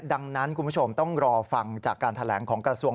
ดังนั้นคุณผู้ชมต้องรอฟังจากการแถลงของกระทรวง